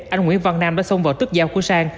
anh nguyễn văn nam đã xông vào tức dao của sang